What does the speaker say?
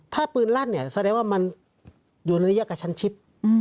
ถ้าปืนลั่นเนี่ยแสดงว่ามันอยู่ในระยะกระชั้นชิด